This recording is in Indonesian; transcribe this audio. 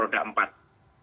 kendaraan motor roda empat